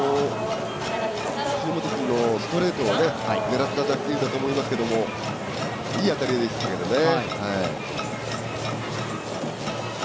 藤本君のストレートを狙った打球だと思いますけどいい当たりでしたけどね。